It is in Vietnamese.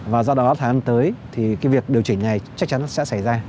và do đó tháng tới thì cái việc điều chỉnh này chắc chắn sẽ xảy ra